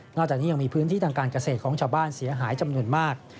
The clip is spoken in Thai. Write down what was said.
จากนี้ยังมีพื้นที่ทางการเกษตรของชาวบ้านเสียหายจำนวนมาก